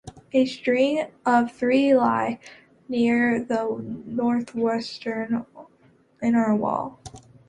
A string of three lie near the northwestern inner wall.